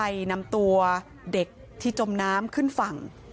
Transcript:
นำตัวเด็กที่จมน้ำขึ้นฝั่ง